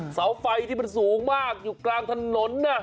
เสาไฟที่มันสูงมากอยู่กลางถนน